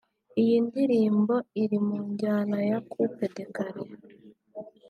Iyi ndirimbo iri mu njyana ya ’’Coupe des Carres’’